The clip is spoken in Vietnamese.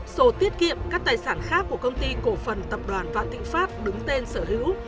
sổ tiết kiệm các tài sản khác của công ty cổ phần tập đoàn vạn thịnh pháp đứng tên sở hữu